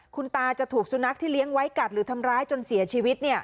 คุณตาจะถูกสุนัขที่เลี้ยงไว้กัดหรือทำร้ายจนเสียชีวิต